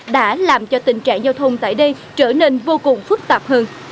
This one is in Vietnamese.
đã làm cho tình trạng giao thông tại đây trở nên vô cùng phức tạp hơn